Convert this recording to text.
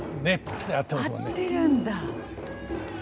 合ってるんだ。